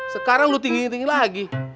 sekarang lu tingginya tingginya lagi